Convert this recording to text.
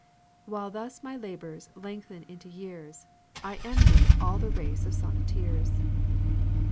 While thus my labors lengthen into years, I envy all the race of sonneteers.